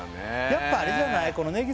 やっぱあれじゃない？